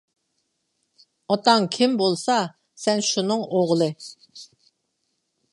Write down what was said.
ئاتاڭ كىم بولسا، سەن شۇنىڭ ئوغلى.